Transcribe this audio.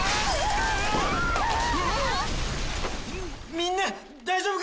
みんな大丈夫か！？